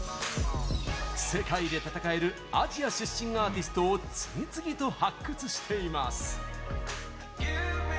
世界で戦えるアジア出身アーティストを次々と発掘しています。